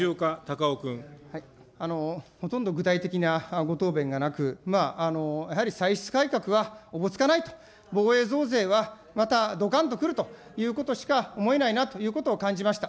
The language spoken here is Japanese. ほとんど具体的なご答弁がなく、やはり歳出改革はおぼつかないと、防衛増税はまたどかんと来るということしか思えないなということを感じました。